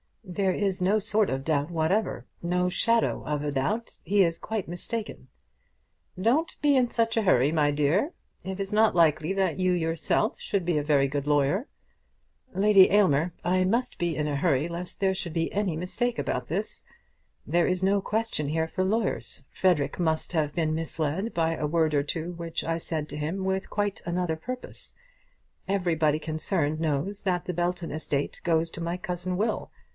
"There is no sort of doubt whatsoever; no shadow of a doubt. He is quite mistaken." "Don't be in such a hurry, my dear. It is not likely that you yourself should be a very good lawyer." "Lady Aylmer, I must be in a hurry lest there should be any mistake about this. There is no question here for lawyers. Frederic must have been misled by a word or two which I said to him with quite another purpose. Everybody concerned knows that the Belton estate goes to my cousin Will.